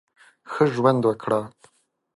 ښه ژوند وکړه !